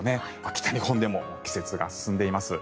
北日本でも季節が進んでいます。